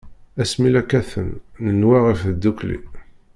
Ass mi la katen, nenwa ɣef tdukli.